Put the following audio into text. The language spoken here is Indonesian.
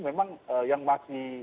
memang yang masih